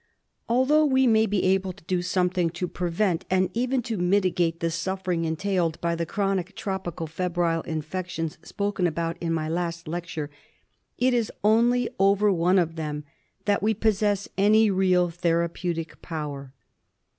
Although we may be able to do something to prevent and even to mitigate the suffering entailed by the chronic tropical febrile infections spoken about in my last lecture, it is only over one of them that we possess any real therapeutic power.